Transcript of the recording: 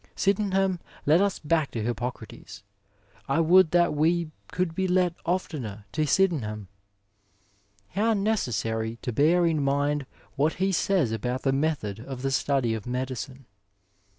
*' Sydenham led us back to Hippo crates, I would that we could be led oftener to Sydenham ! How necessary to bear in mind what he says about the method of the study of medicine.